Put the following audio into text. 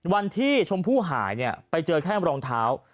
วันที่ชมพู่หายเนี่ยไปเจอแค่รองเท้า